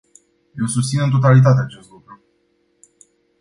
Eu susțin în totalitate acest lucru.